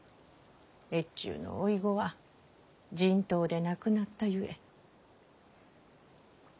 越中の甥子は人痘で亡くなったゆえ。